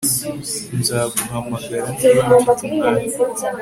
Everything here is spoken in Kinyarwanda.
Nzaguhamagara niba mfite umwanya